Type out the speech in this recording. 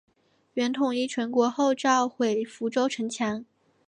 元统一全国后下诏毁福州城墙。